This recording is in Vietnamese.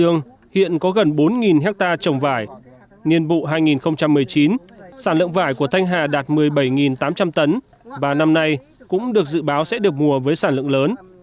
nhiên bụ hai nghìn một mươi chín sản lượng vải của thanh hà đạt một mươi bảy tám trăm linh tấn và năm nay cũng được dự báo sẽ được mua với sản lượng lớn